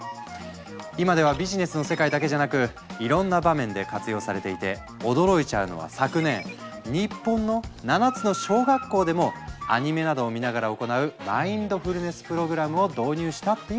今ではビジネスの世界だけじゃなくいろんな場面で活用されていて驚いちゃうのは昨年日本の７つの小学校でもアニメなどを見ながら行うマインドフルネス・プログラムを導入したっていう話。